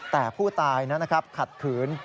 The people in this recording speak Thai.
แต่ผู้ตายขัดขืน